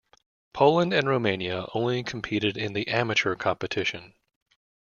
Poland and Romania only competed in the amateur competition.